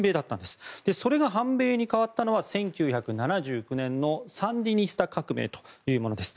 それが反米に変わったのは１９７９年のサンディニスタ革命というものです。